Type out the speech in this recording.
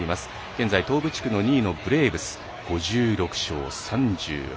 現在、東部地区２位のブレーブス、５６勝３８敗。